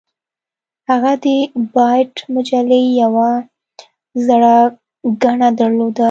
هغه د بایټ مجلې یوه زړه ګڼه درلوده